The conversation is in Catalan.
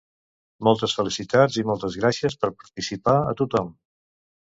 Moltes felicitats i moltes gràcies per participar a tothom!